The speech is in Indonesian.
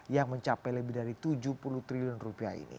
yang mencapai lebih dari tujuh puluh triliun rupiah ini